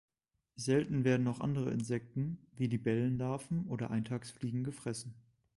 Selten werden auch andere Insekten, wie Libellenlarven oder Eintagsfliegen gefressen.